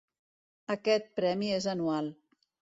Aquest premi és anual.